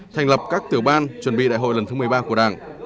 thành lập các tiểu ban chuẩn bị đại hội lần thứ một mươi ba của đảng